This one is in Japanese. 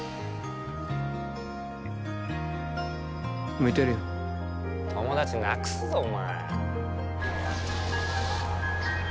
向いてるよ友達なくすぞお前